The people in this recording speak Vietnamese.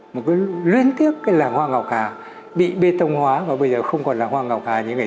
một cái luyến tiếc cái làng hoa ngọc hà bị bê tông hóa và bây giờ không còn là hoa ngọc hà như vậy